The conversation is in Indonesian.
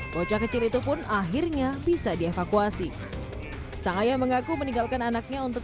bocah kecil itu pun akhirnya bisa dievakuasi sang ayah mengaku meninggalkan anaknya untuk